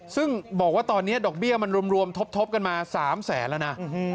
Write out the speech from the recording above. ซึ่งบอกว่าตอนนี้ดอกเบี้ยมันรวมทบกันมา๓แสนแล้วนะ